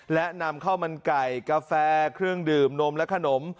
และนำข้าวมันไก่กาแฟเครื่องดื่มนมและขนม